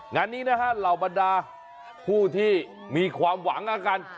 งานนี้นะฮะเรามาดาผู้ที่มีความหวังละกัน